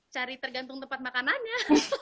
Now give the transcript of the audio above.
cari tergantung tempat makanannya